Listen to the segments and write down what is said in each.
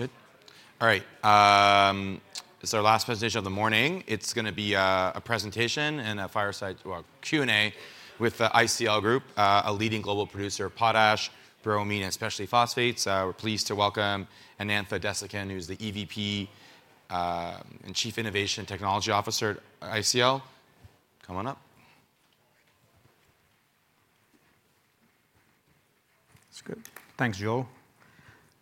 Good. All right, it's our last presentation of the morning. It's gonna be a, a presentation and a fireside, well, Q&A with the ICL Group, a leading global producer of potash, bromine, and specialty phosphates. We're pleased to welcome Anantha Desikan, who's the EVP, and Chief Innovation Technology Officer at ICL. Come on up. It's good. Thanks, Joe.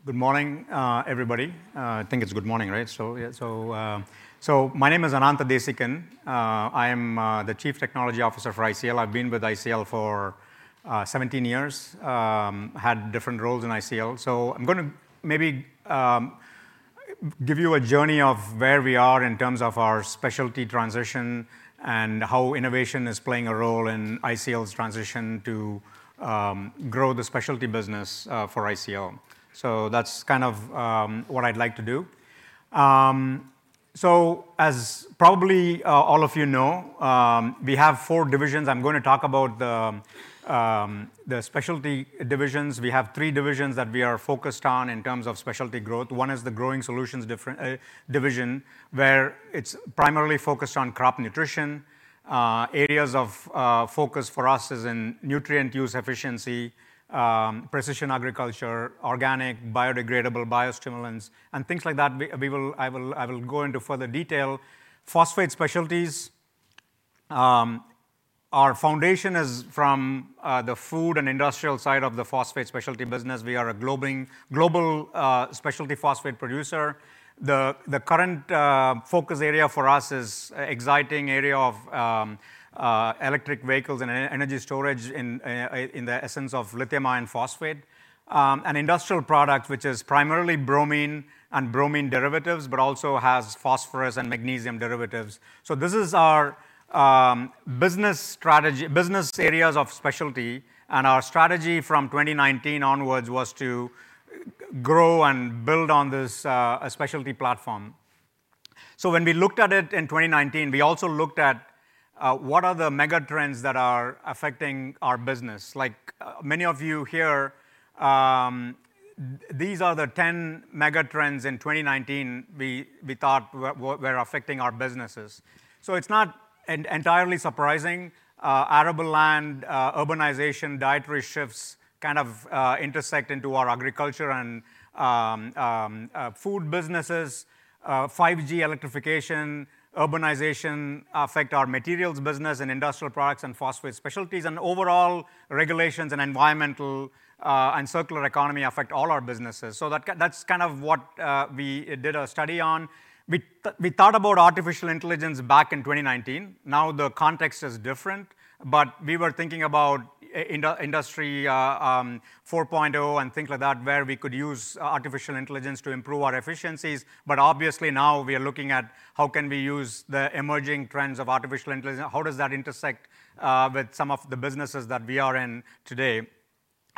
Good morning, everybody. I think it's good morning, right? So my name is Anantha Desikan. I am the Chief Technology Officer for ICL. I've been with ICL for 17 years. Had different roles in ICL. So I'm gonna maybe give you a journey of where we are in terms of our specialty transition, and how innovation is playing a role in ICL's transition to grow the specialty business for ICL. So that's kind of what I'd like to do. So as probably all of you know, we have 4 divisions. I'm gonna talk about the specialty divisions. We have 3 divisions that we are focused on in terms of specialty growth. One is the Growing Solutions division, where it's primarily focused on crop nutrition. Areas of focus for us is in nutrient use efficiency, precision agriculture, organic, biodegradable, biostimulants, and things like that. I will go into further detail. Phosphate specialties, our foundation is from the food and industrial side of the phosphate specialty business. We are a global specialty phosphate producer. The current focus area for us is exciting area of electric vehicles and energy storage in the essence of lithium iron phosphate. And industrial product, which is primarily bromine and bromine derivatives, but also has phosphorus and magnesium derivatives. So this is our business strategy, business areas of specialty, and our strategy from 2019 onwards was to grow and build on this a specialty platform. So when we looked at it in 2019, we also looked at what are the mega trends that are affecting our business? Like, many of you here, these are the 10 mega trends in 2019 we thought were affecting our businesses. So it's not entirely surprising, arable land, urbanization, dietary shifts, kind of, intersect into our agriculture and food businesses. 5G electrification, urbanization affect our materials business and industrial products and phosphate specialties, and overall, regulations and environmental and circular economy affect all our businesses. So that's kind of what we did a study on. We thought about artificial intelligence back in 2019. Now, the context is different, but we were thinking about Industry 4.0 and things like that, where we could use artificial intelligence to improve our efficiencies. But obviously, now we are looking at how can we use the emerging trends of artificial intelligence? How does that intersect with some of the businesses that we are in today?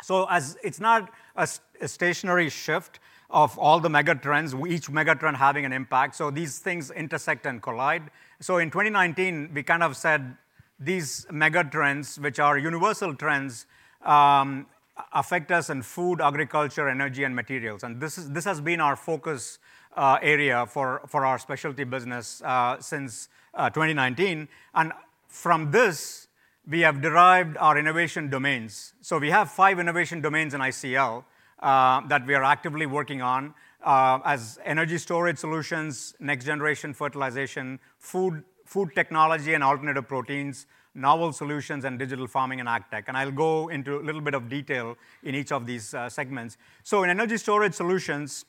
So it's not a stationary shift of all the mega trends, each mega trend having an impact, so these things intersect and collide. So in 2019, we kind of said these mega trends, which are universal trends, affect us in food, agriculture, energy, and materials. And this is, this has been our focus area for our specialty business since 2019. And from this, we have derived our innovation domains. So we have five innovation domains in ICL, that we are actively working on, as energy storage solutions, next generation fertilization, food, food technology and alternative proteins, novel solutions, and digital farming and ag tech. And I'll go into a little bit of detail in each of these, segments. So in energy storage solutions,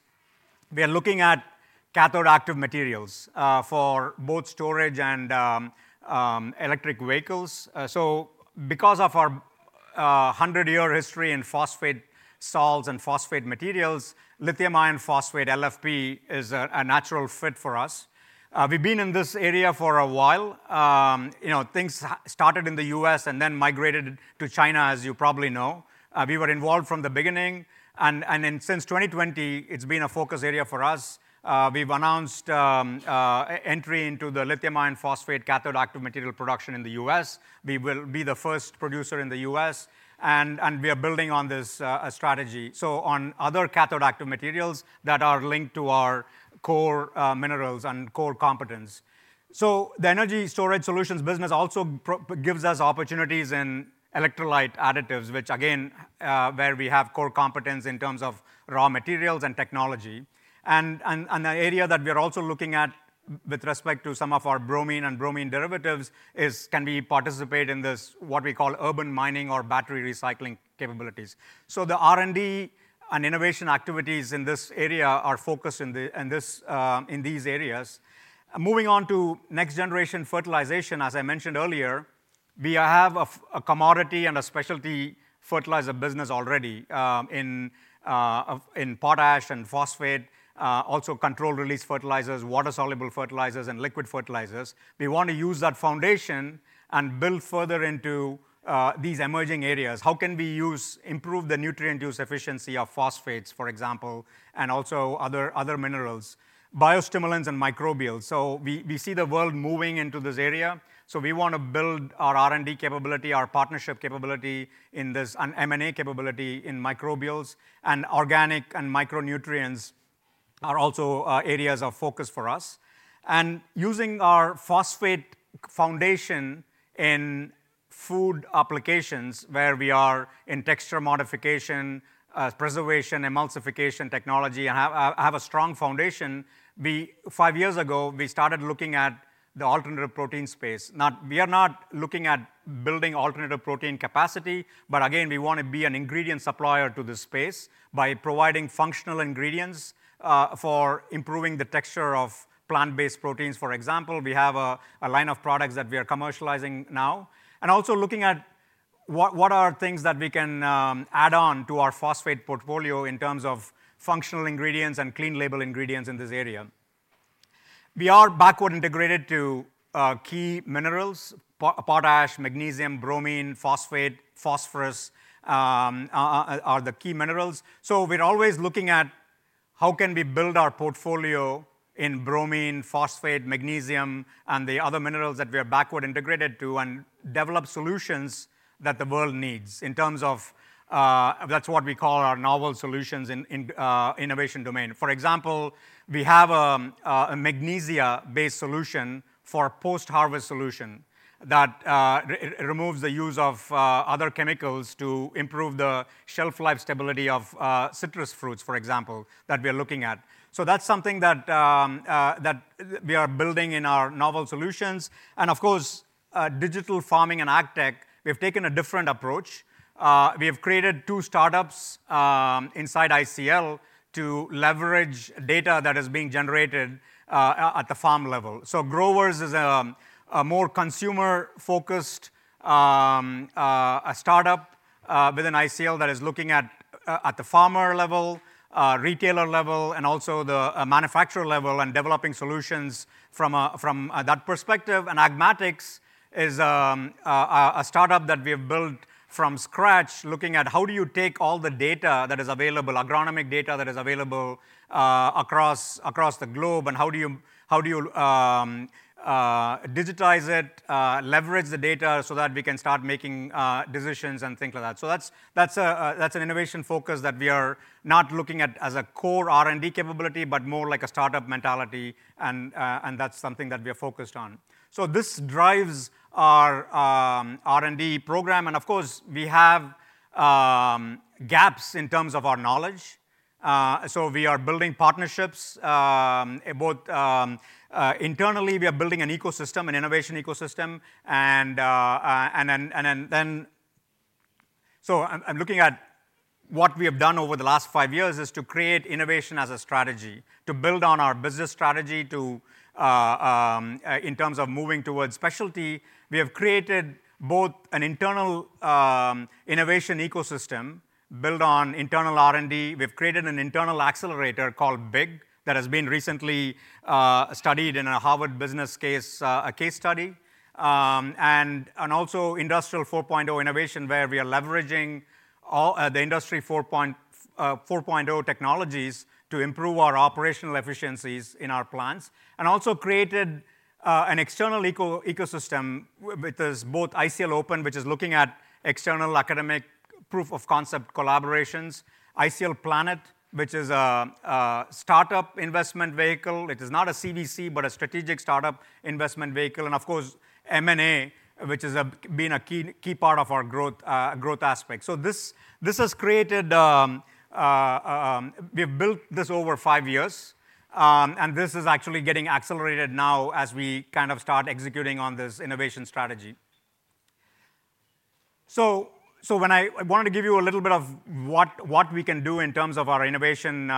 we are looking at cathode active materials, for both storage and, electric vehicles. So because of our, hundred-year history in phosphate salts and phosphate materials, lithium iron phosphate, LFP, is a, a natural fit for us. We've been in this area for a while. You know, things started in the U.S. and then migrated to China, as you probably know. We were involved from the beginning, and, then since 2020, it's been a focus area for us. We've announced entry into the lithium iron phosphate cathode active material production in the U.S. We will be the first producer in the U.S., and we are building on this strategy. So on other cathode active materials that are linked to our core minerals and core competence. So the energy storage solutions business also provides us opportunities in electrolyte additives, which again, where we have core competence in terms of raw materials and technology. And the area that we are also looking at with respect to some of our bromine and bromine derivatives is, can we participate in this, what we call urban mining or battery recycling capabilities? So the R&D and innovation activities in this area are focused in these areas. Moving on to next generation fertilization, as I mentioned earlier, we have a commodity and a specialty fertilizer business already in potash and phosphate, also controlled release fertilizers, water-soluble fertilizers, and liquid fertilizers. We want to use that foundation and build further into these emerging areas. How can we use, improve the nutrient use efficiency of phosphates, for example, and also other minerals? Biostimulants and microbials. So we see the world moving into this area, so we want to build our R&D capability, our partnership capability in this, and M&A capability in microbials and organic and micronutrients are also areas of focus for us. Using our phosphate foundation in food applications, where we are in texture modification, preservation, emulsification technology, and have a strong foundation, five years ago, we started looking at the alternative protein space. We are not looking at building alternative protein capacity, but again, we want to be an ingredient supplier to this space by providing functional ingredients for improving the texture of plant-based proteins. For example, we have a line of products that we are commercializing now. And also looking at what are things that we can add on to our phosphate portfolio in terms of functional ingredients and clean label ingredients in this area? We are backward integrated to key minerals, potash, magnesium, bromine, phosphate, phosphorus, are the key minerals. So we're always looking at how can we build our portfolio in bromine, phosphate, magnesium, and the other minerals that we are backward integrated to, and develop solutions that the world needs in terms of, that's what we call our novel solutions in innovation domain. For example, we have a magnesia-based solution for post-harvest solution, that removes the use of other chemicals to improve the shelf life stability of citrus fruits, for example, that we are looking at. So that's something that we are building in our novel solutions. And of course, digital farming and agtech, we have taken a different approach. We have created two startups inside ICL to leverage data that is being generated at the farm level. So Growers is a more consumer-focused startup within ICL that is looking at the farmer level, retailer level, and also the manufacturer level, and developing solutions from that perspective. And Agmatix is a startup that we have built from scratch, looking at how do you take all the data that is available, agronomic data that is available, across the globe, and how do you digitize it, leverage the data so that we can start making decisions and things like that? So that's an innovation focus that we are not looking at as a core R&D capability, but more like a startup mentality, and that's something that we are focused on. So this drives our R&D program, and of course, we have gaps in terms of our knowledge. So we are building partnerships both internally, we are building an ecosystem, an innovation ecosystem, and. So I'm looking at what we have done over the last five years, is to create innovation as a strategy, to build on our business strategy to in terms of moving towards specialty. We have created both an internal innovation ecosystem built on internal R&D. We've created an internal accelerator called BIG, that has been recently studied in a Harvard Business case, a case study. And also Industry 4.0 innovation, where we are leveraging all the industry four point 4.0 technologies to improve our operational efficiencies in our plants, and also created an external ecosystem with this, both ICL Open, which is looking at external academic proof of concept collaborations, ICL Planet, which is a startup investment vehicle. It is not a CVC, but a strategic startup investment vehicle. And of course, M&A, which has been a key part of our growth aspect. So this has created... We've built this over five years, and this is actually getting accelerated now as we kind of start executing on this innovation strategy. So when I wanted to give you a little bit of what we can do in terms of our innovation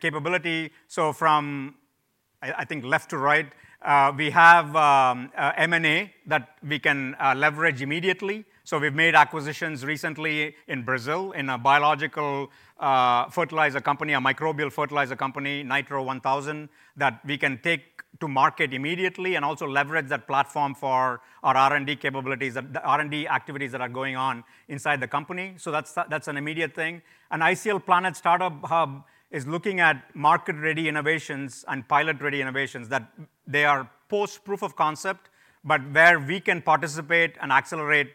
capability. So from I think left to right we have a M&A that we can leverage immediately. So we've made acquisitions recently in Brazil, in a biological fertilizer company, a microbial fertilizer company, Nitro 1000, that we can take to market immediately, and also leverage that platform for our R&D capabilities, the R&D activities that are going on inside the company. So that's an immediate thing. And ICL Planet Startup Hub is looking at market-ready innovations and pilot-ready innovations, that they are post-proof of concept, but where we can participate and accelerate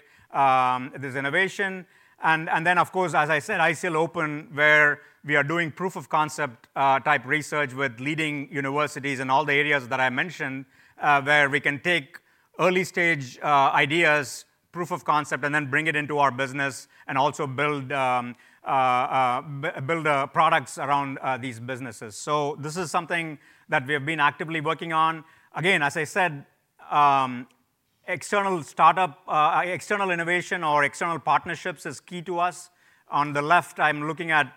this innovation. And then, of course, as I said, ICL Open, where we are doing proof of concept type research with leading universities in all the areas that I mentioned, where we can take early stage ideas, proof of concept, and then bring it into our business, and also build products around these businesses. So this is something that we have been actively working on. Again, as I said, external startup external innovation or external partnerships is key to us. On the left, I'm looking at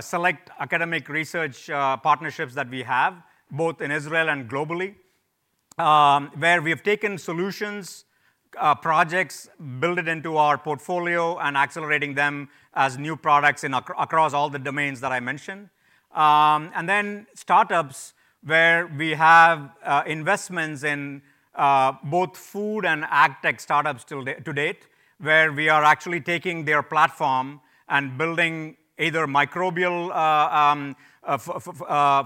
select academic research partnerships that we have, both in Israel and globally... where we've taken solutions, projects, build it into our portfolio, and accelerating them as new products in across all the domains that I mentioned. And then startups, where we have investments in both food and ag tech startups to date, where we are actually taking their platform and building either microbial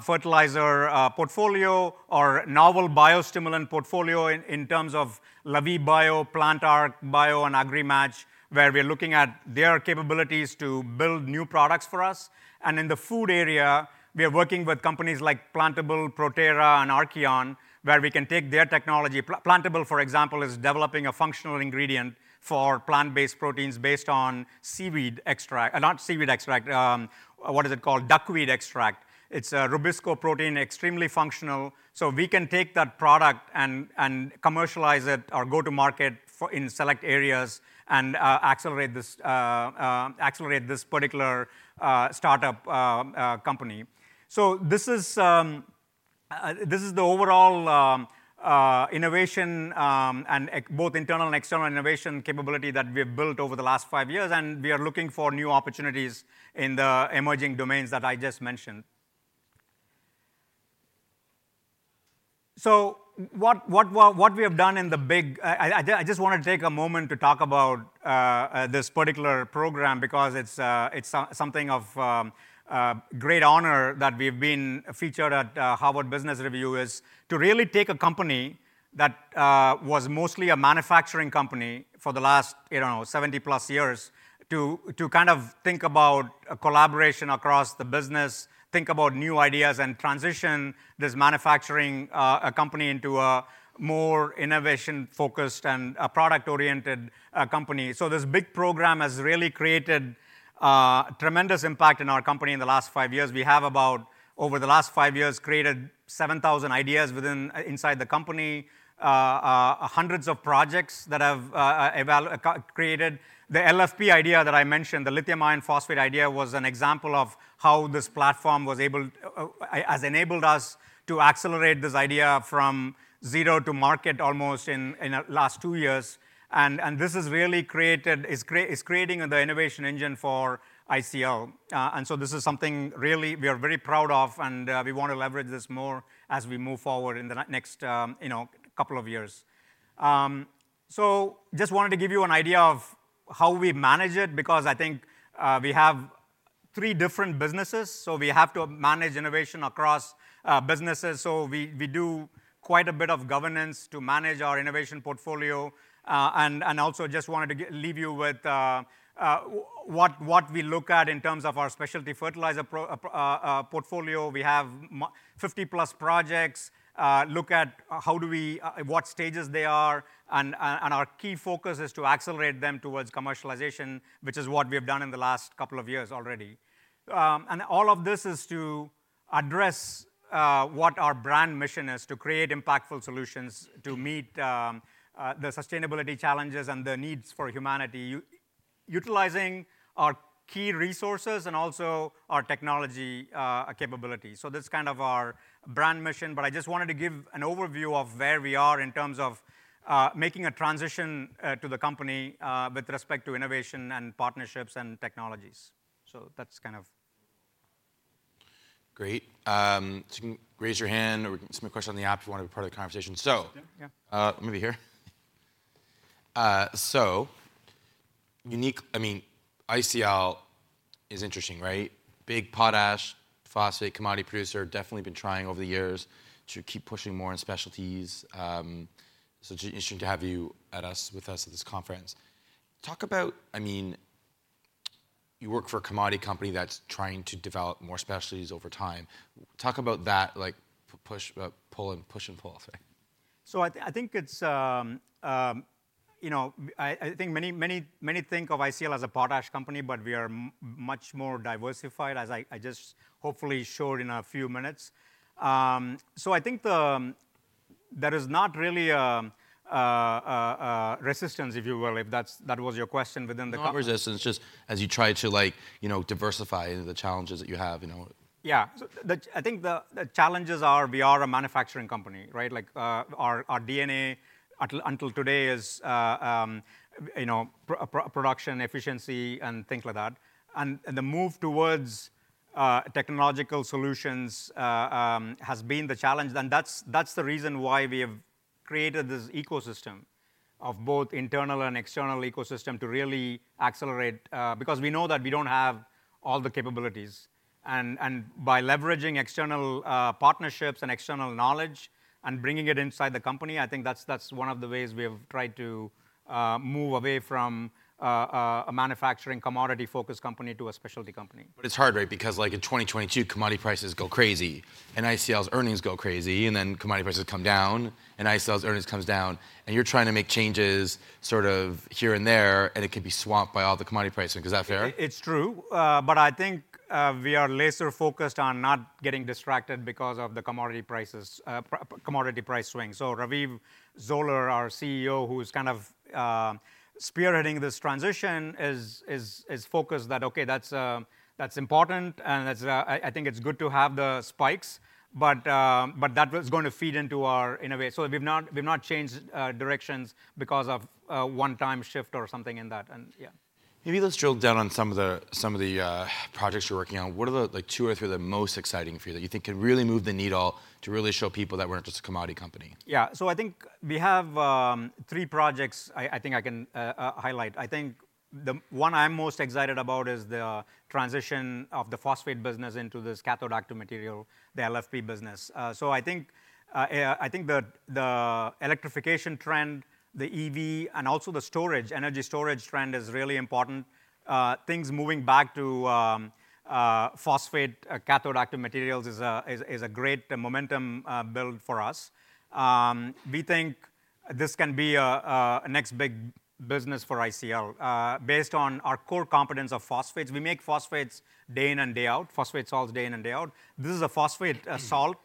fertilizer portfolio or novel biostimulant portfolio in terms of Lavie Bio, PlantArcBio, and Agrematch, where we're looking at their capabilities to build new products for us. And in the food area, we are working with companies like Plantible, Protera, and Arkeon, where we can take their technology. Plantible, for example, is developing a functional ingredient for plant-based proteins based on seaweed extract. Not seaweed extract, what is it called? Duckweed extract. It's a Rubisco protein, extremely functional, so we can take that product and commercialize it or go to market for in select areas and accelerate this particular startup company. So this is the overall innovation and both internal and external innovation capability that we have built over the last five years, and we are looking for new opportunities in the emerging domains that I just mentioned. So what we have done in the big... I just want to take a moment to talk about this particular program because it's something of great honor that we've been featured at Harvard Business Review, is to really take a company that was mostly a manufacturing company for the last, you know, 70-plus years, to kind of think about a collaboration across the business, think about new ideas, and transition this manufacturing company into a more innovation-focused and a product-oriented company. So this big program has really created tremendous impact in our company in the last five years. We have about, over the last five years, created 7,000 ideas within inside the company, hundreds of projects that have created. The LFP idea that I mentioned, the lithium iron phosphate idea, was an example of how this platform was able, has enabled us to accelerate this idea from zero to market almost in, in the last two years. And this has really created, is creating the innovation engine for ICL. And so this is something really we are very proud of, and we want to leverage this more as we move forward in the next, you know, couple of years. So just wanted to give you an idea of how we manage it, because I think, we have three different businesses, so we have to manage innovation across, businesses. So we, we do quite a bit of governance to manage our innovation portfolio. And also just wanted to leave you with what we look at in terms of our specialty fertilizer portfolio. We have 50-plus projects, look at how do we, what stages they are, and our key focus is to accelerate them towards commercialization, which is what we have done in the last couple of years already. And all of this is to address what our brand mission is, to create impactful solutions to meet the sustainability challenges and the needs for humanity, utilizing our key resources and also our technology capability. So this is kind of our brand mission, but I just wanted to give an overview of where we are in terms of making a transition to the company with respect to innovation and partnerships and technologies. So that's kind of... Great. So you can raise your hand or submit a question on the app if you wanna be part of the conversation. So- Yeah. Yeah. So unique, I mean, ICL is interesting, right? Big potash, phosphate, commodity producer, definitely been trying over the years to keep pushing more on specialties. So interesting to have you at us, with us at this conference. Talk about, I mean, you work for a commodity company that's trying to develop more specialties over time. Talk about that, like, push, pull and push and pull thing. So I think it's, you know, I think many, many, many think of ICL as a potash company, but we are much more diversified, as I just hopefully showed in a few minutes. So I think there is not really a resistance, if you will, if that's that was your question, within the company- Not resistance, just as you try to like, you know, diversify and the challenges that you have, you know? Yeah. So I think the challenges are, we are a manufacturing company, right? Like, our DNA until today is, you know, production efficiency and things like that. And the move towards technological solutions has been the challenge. And that's the reason why we have created this ecosystem of both internal and external ecosystem to really accelerate. Because we know that we don't have all the capabilities. And by leveraging external partnerships and external knowledge and bringing it inside the company, I think that's one of the ways we have tried to move away from a manufacturing, commodity-focused company to a specialty company. But it's hard, right? Because, like, in 2022, commodity prices go crazy, and ICL's earnings go crazy, and then commodity prices come down, and ICL's earnings comes down, and you're trying to make changes sort of here and there, and it could be swamped by all the commodity pricing. Is that fair? It's true. But I think we are laser focused on not getting distracted because of the commodity prices, commodity price swings. So Raviv Zoller, our CEO, who is kind of spearheading this transition, is focused that okay, that's, that's important, and that's, I think it's good to have the spikes, but, but that was going to feed into our innovation. So we've not changed directions because of a one-time shift or something in that, and yeah. Maybe let's drill down on some of the projects you're working on. What are the, like, two or three of the most exciting for you that you think could really move the needle to really show people that we're not just a commodity company? Yeah. So I think we have three projects I think I can highlight. I think the one I'm most excited about is the transition of the phosphate business into this cathode active material, the LFP business. So I think the electrification trend, the EV, and also the storage, energy storage trend is really important. Things moving back to phosphate cathode active materials is a great momentum build for us. We think this can be a next big business for ICL. Based on our core competence of phosphates, we make phosphates day in and day out, phosphate salts day in and day out. This is a phosphate salt.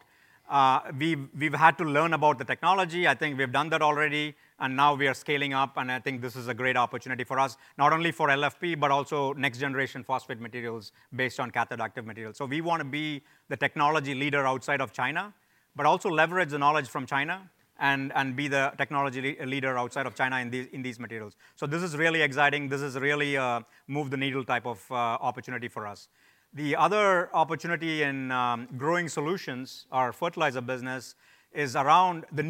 We've had to learn about the technology. I think we've done that already, and now we are scaling up, and I think this is a great opportunity for us, not only for LFP, but also next generation phosphate materials based on cathode active materials. So we want to be the technology leader outside of China, but also leverage the knowledge from China and be the technology leader outside of China in these materials. So this is really exciting. This is really a move the needle type of opportunity for us. The other opportunity in growing solutions, our fertilizer business, is around the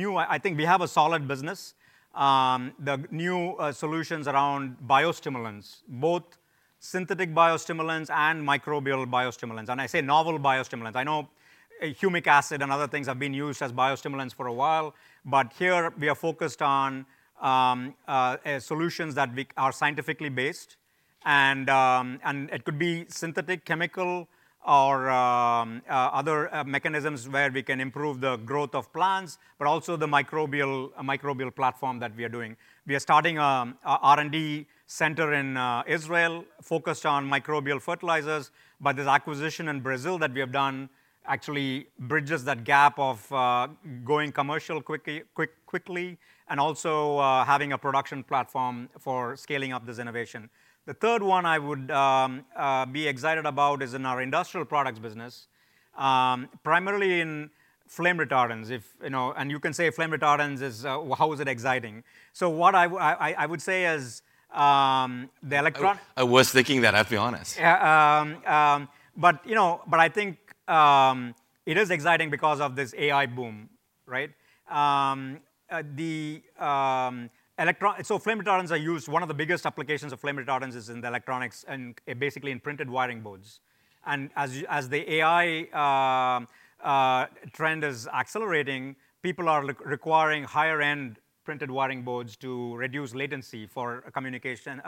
new solutions around biostimulants, both synthetic biostimulants and microbial biostimulants, and I say novel biostimulants. I know humic acid and other things have been used as biostimulants for a while, but here we are focused on solutions that we are scientifically based, and it could be synthetic, chemical, or other mechanisms where we can improve the growth of plants, but also the microbial platform that we are doing. We are starting a R&D center in Israel focused on microbial fertilizers, but this acquisition in Brazil that we have done actually bridges that gap of going commercial quickly, and also having a production platform for scaling up this innovation. The third one I would be excited about is in our Industrial Products business, primarily in flame retardants. If, you know, and you can say flame retardants is how is it exciting? So what I would say is, the electron- I was thinking that, I have to be honest. Yeah, but, you know, but I think it is exciting because of this AI boom, right? The electron-- So flame retardants are used, one of the biggest applications of flame retardants is in the electronics and basically in printed wiring boards. And as you, as the AI trend is accelerating, people are requiring higher-end printed wiring boards to reduce latency for communication,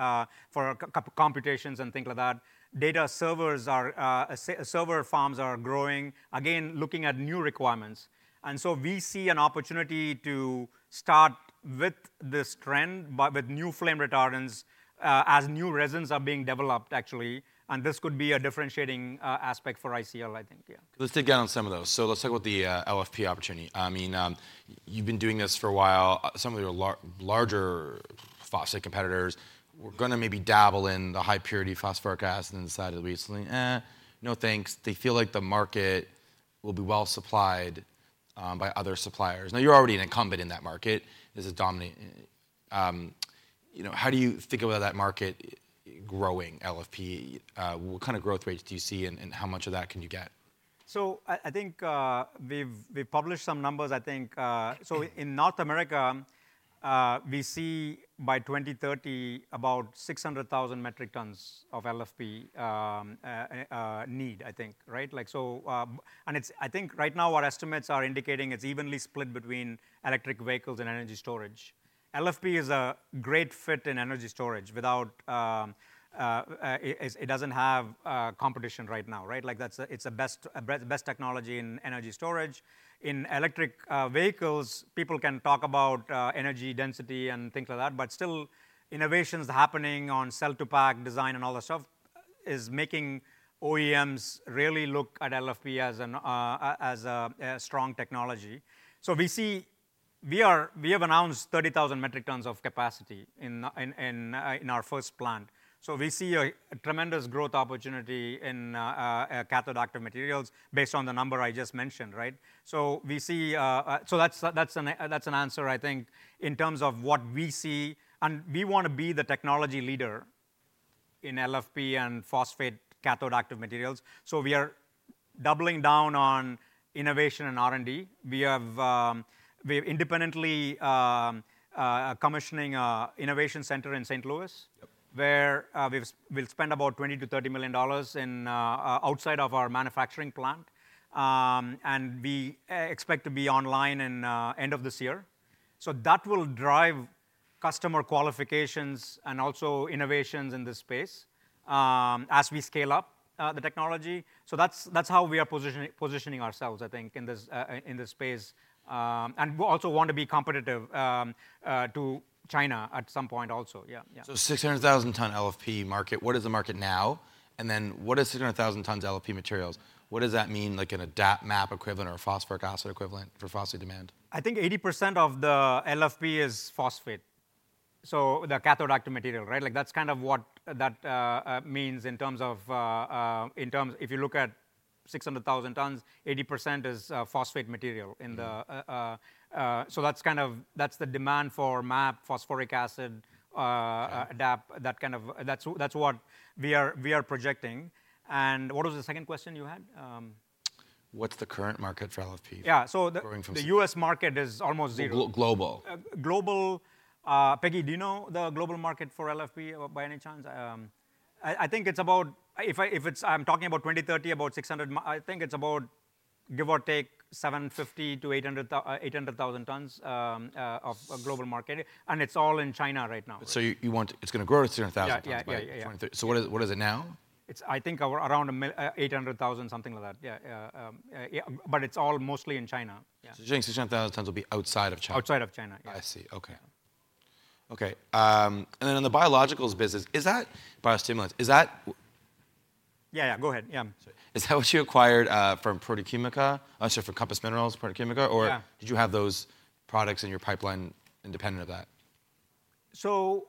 for computations and things like that. Data servers are, server farms are growing, again, looking at new requirements. And so we see an opportunity to start with this trend, but with new flame retardants, as new resins are being developed, actually, and this could be a differentiating, aspect for ICL, I think. Yeah. Let's dig down on some of those. So let's talk about the LFP opportunity. I mean, you've been doing this for a while. Some of your larger phosphate competitors were gonna maybe dabble in the high purity phosphoric acid and decided recently, "Eh, no, thanks." They feel like the market will be well supplied by other suppliers. Now, you're already an incumbent in that market. This is dominant. You know, how do you think about that market growing LFP? What kind of growth rates do you see, and how much of that can you get? I think we've published some numbers, I think. So in North America, we see by 2030, about 600,000 metric tons of LFP need, I think, right? Like, so, and it's—I think right now our estimates are indicating it's evenly split between electric vehicles and energy storage. LFP is a great fit in energy storage without it doesn't have competition right now, right? Like, that's, it's the best technology in energy storage. In electric vehicles, people can talk about energy density and things like that, but still, innovations happening on cell to pack design and all that stuff is making OEMs really look at LFP as a strong technology. So we see... We have announced 30,000 metric tons of capacity in our first plant. So we see a tremendous growth opportunity in cathode active materials based on the number I just mentioned, right? So we see, so that's an answer I think, in terms of what we see. And we want to be the technology leader in LFP and phosphate cathode active materials. So we are doubling down on innovation and R&D. We have independently commissioning an innovation center in St. Louis. Yep Where we've, we'll spend about $20-$30 million in outside of our manufacturing plant. And we expect to be online in end of this year. So that will drive customer qualifications and also innovations in this space, as we scale up the technology. So that's, that's how we are positioning ourselves, I think, in this space. And we also want to be competitive to China at some point also. Yeah, yeah. So 600,000-ton LFP market, what is the market now? And then what is 600,000 tons LFP materials? What does that mean, like in a DAP MAP equivalent or a phosphoric acid equivalent for phosphate demand? I think 80% of the LFP is phosphate, so the cathode active material, right? Like, that's kind of what that means in terms of, in terms—if you look at 600,000 tons, 80% is phosphate material in the, so that's kind of, that's the demand for MAP, phosphoric acid, DAP, that kind of—that's what we are projecting. And what was the second question you had? What's the current market for LFP? Yeah, so the- Growing from- The US market is almost zero. Global. Global, Peggy, do you know the global market for LFP by any chance? I think it's about, I'm talking about 2030, I think it's about, give or take, 750-800,000 tons of global market. And it's all in China right now. So you want— It's gonna grow to 300,000 tons- Yeah, yeah. Yeah, yeah, yeah. So, what is it now? It's, I think, around $1.8 million, something like that. Yeah, yeah, yeah, but it's all mostly in China. Yeah. 600,000 tons will be outside of China. Outside of China, yeah. I see. Okay. Okay, and then on the biologicals business, is that biostimulants, is that- Yeah, yeah, go ahead. Yeah. Is that what you acquired from Produquímica? Sorry, from Compass Minerals, Produquímica- Yeah Or did you have those products in your pipeline independent of that? So,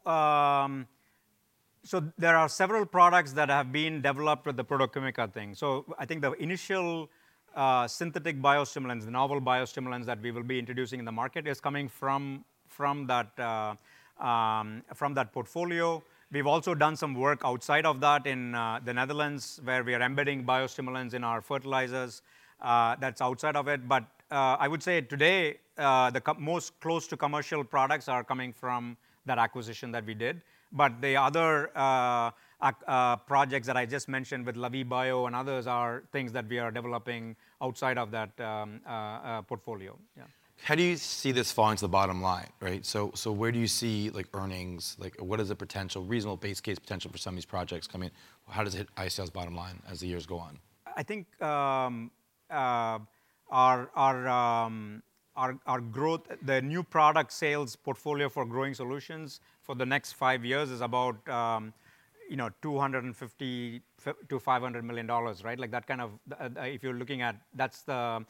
so there are several products that have been developed with the Produquímica thing. So I think the initial, synthetic biostimulants, the novel biostimulants that we will be introducing in the market, is coming from, from that, from that portfolio. We've also done some work outside of that in, the Netherlands, where we are embedding biostimulants in our fertilizers. That's outside of it. But, I would say today, the most close to commercial products are coming from that acquisition that we did. But the other, projects that I just mentioned with LavieBio and others are things that we are developing outside of that, portfolio. Yeah. How do you see this falling to the bottom line? Right, so, so where do you see, like, earnings? Like, what is the potential, reasonable base case potential for some of these projects coming? How does it affect ICL's bottom line as the years go on? I think, our growth, the new product sales portfolio for Growing Solutions for the next five years is about, you know, $250 million-$500 million, right? Like that kind of, if you're looking at, that's the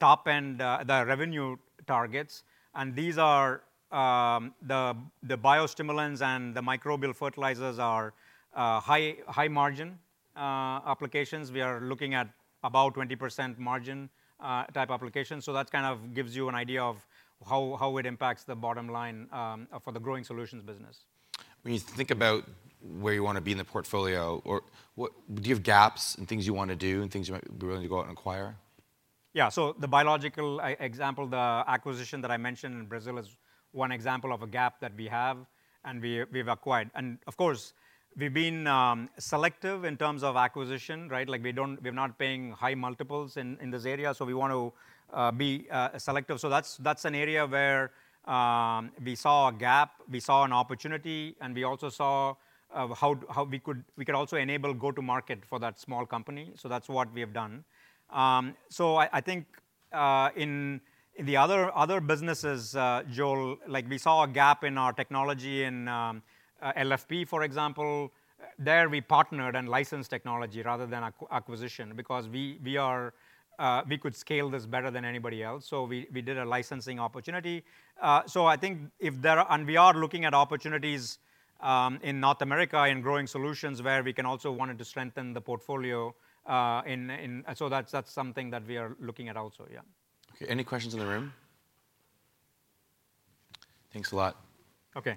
top end, the revenue targets. And these are, the biostimulants and the microbial fertilizers are, high margin applications. We are looking at about 20% margin type applications. So that kind of gives you an idea of how it impacts the bottom line, for the Growing Solutions business. When you think about where you want to be in the portfolio, or what-- do you have gaps in things you want to do and things you might be willing to go out and acquire? Yeah, so the biological example, the acquisition that I mentioned in Brazil, is one example of a gap that we have, and we, we've acquired. And of course, we've been selective in terms of acquisition, right? Like, we're not paying high multiples in this area, so we want to be selective. So that's an area where we saw a gap, we saw an opportunity, and we also saw how we could also enable go-to-market for that small company. So that's what we have done. So I think in the other businesses, Joel, like we saw a gap in our technology in LFP, for example. There, we partnered and licensed technology rather than acquisition because we are, we could scale this better than anybody else, so we did a licensing opportunity. So I think if there... And we are looking at opportunities in North America, in Growing Solutions, where we can also wanted to strengthen the portfolio, in so that's something that we are looking at also, yeah. Okay. Any questions in the room? Thanks a lot. Okay.